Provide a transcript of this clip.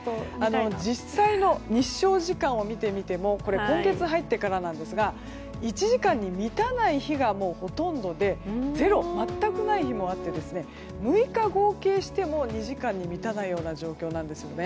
実際の日照時間を見てみても今月入ってからなんですが１時間に満たない日がほとんどで、ゼロ全くない日もあって６日合計しても２時間に満たない状況なんです。